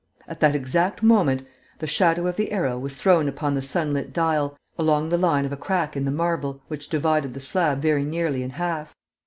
At that exact moment, the shadow of the arrow was thrown upon the sunlit dial along the line of a crack in the marble which divided the slab very nearly in half.